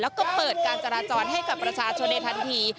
แล้วก็เปิดการจราจรให้กับประชาชนในทันที